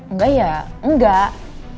nggak ya nggak